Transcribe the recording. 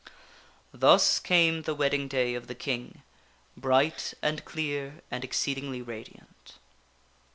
Thus came the wedding day of the King bright and clear and exceed ingly radiant.